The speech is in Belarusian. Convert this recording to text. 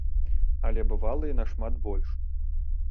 Але бывала і нашмат больш.